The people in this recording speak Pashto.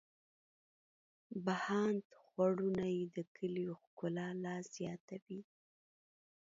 بهاند خوړونه یې د کلیو ښکلا لا زیاتوي.